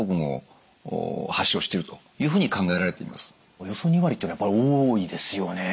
およそ２割っていうのはやっぱり多いですよね。